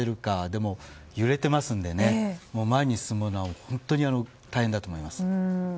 でも、揺れていますので前に進むのは本当に大変だと思います。